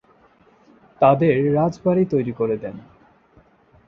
তাদের রাজ বাড়ি তৈরী করে দেন।